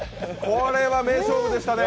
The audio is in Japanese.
これは名勝負でしたね。